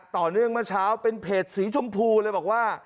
ต่อเนื่องเมื่อเช้าเป็นเพจสีชมพูเลยบอกว่า